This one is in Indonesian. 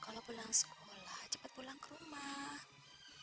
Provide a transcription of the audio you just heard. kalau pulang sekolah cepat pulang ke rumah